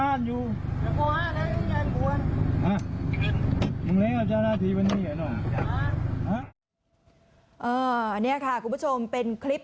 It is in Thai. อันนี้ค่ะคุณผู้ชมเป็นคลิป